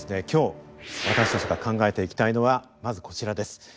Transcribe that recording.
今日私たちが考えていきたいのはまずこちらです。